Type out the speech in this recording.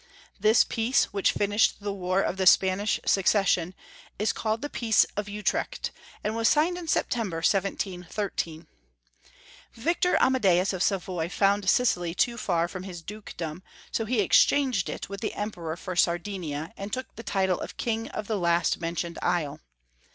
This peace, which finished the war of the Spanish succession, is called the Peace of Utrecht, and was signed in September, 1713. Victor Amadeus of Savoy found Sicily too far from his dukedom, so he exchanged it with the Emperor for Sardinia, and took the title of King of the last mentioned isle.